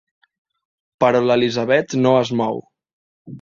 Però l'Elisabet no es mou.